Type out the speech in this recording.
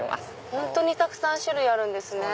本当にたくさん種類あるんですね。